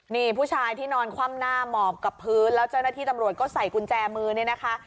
นี่ผู้ชายที่นอนคว่ำหน้าหมอบกับพื้นแล้วเจ้าหน้าที่ตำรวจก็ใส่กุญแจมือเนี่ยนะคะ